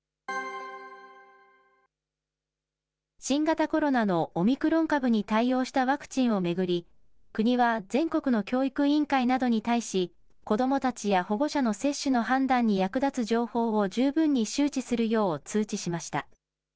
新型コロナのオミクロン株に対応したワクチンを巡り、国は全国の教育委員会などに対し、子どもたちや保護者の接種の判断に役立つ情報を十分に周知するよう通知しました。